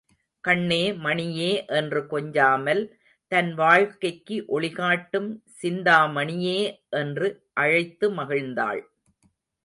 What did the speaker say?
கண்ணே மணியே என்று கொஞ்சாமல் தன் வாழ்க்கைக்கு ஒளி காட்டும் சிந்தாமணியே என்று அழைத்து மகிழ்ந்தாள்.